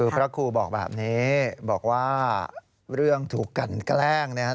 พระครูบอกแบบนี้บอกว่าเรื่องถูกกันแกล้งนะครับ